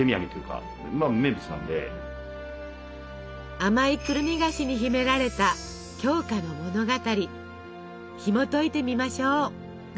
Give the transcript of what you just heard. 甘いくるみ菓子に秘められた鏡花の物語ひもといてみましょう。